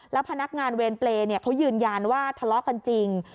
แล้วพนักงานเวรเปรย์เขายืนยันว่าทะเลาะกันจริง